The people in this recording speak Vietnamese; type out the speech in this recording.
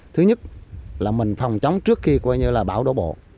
thứ nhất là mình phòng trống trước khi bão đổ bộ